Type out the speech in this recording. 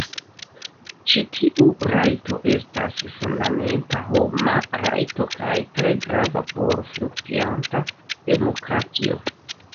Ĉi tiu rajto estas fundamenta homa rajto kaj tre grava por funkcianta demokratio.